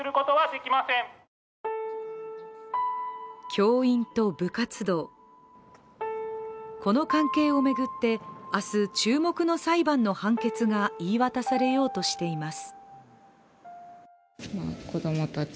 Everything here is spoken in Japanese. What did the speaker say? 教員と部活動、この関係を巡って明日注目の裁判の判決が言い渡されようとしています。